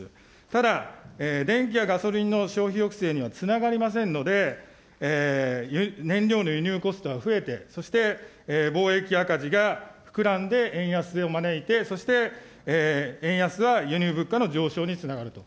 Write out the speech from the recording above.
ただ、電気やガソリンの消費抑制にはつながりませんので、燃料の輸入コストは増えて、そして、貿易赤字が膨らんで、円安を招いて、そして円安は輸入物価の上昇につながると。